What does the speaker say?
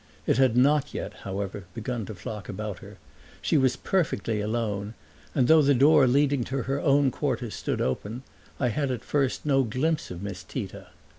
It had not yet, however, begun to flock about her; she was perfectly alone and, though the door leading to her own quarters stood open, I had at first no glimpse of Miss Tita.